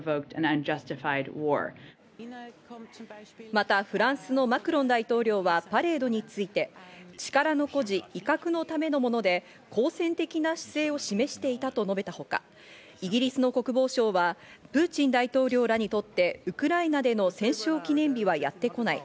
またフランスのマクロン大統領はパレードについて、力の誇示、威嚇のためのもので好戦的な姿勢を示していたと述べたほか、イギリスの国防相はプーチン大統領らにとってウクライナでの戦勝記念日はやってこない。